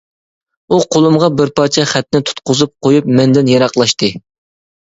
ئۇ قۇلۇمغا بىر پارچە خەتنى تۇتقۇزۇپ قۇيۇپ مەندىن يىراقلاشتى.